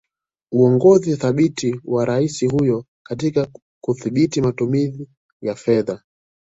Uongozi thabiti wa Rais huyo katika kudhibiti matumizi ya fedha